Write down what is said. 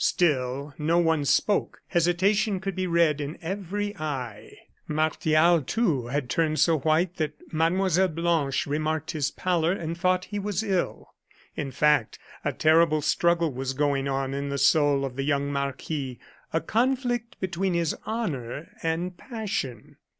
Still no one spoke; hesitation could be read in every eye. Martial, too, had turned so white that Mlle. Blanche remarked his pallor and thought he was ill. In fact, a terrible struggle was going on in the soul of the young marquis; a conflict between his honor and passion.